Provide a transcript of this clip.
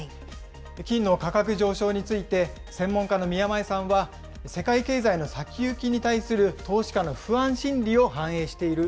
金の価格上昇について、専門家の宮前さんは、世界経済の先行きに対する投資家の不安心理を反映している。